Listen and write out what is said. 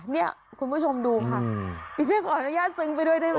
เนี่ยคุณผู้ชมดูค่ะดิฉันขออนุญาตซึ้งไปด้วยได้ไหม